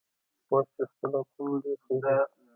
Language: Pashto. وچ اختلاف هم لا ډېر ښه دی.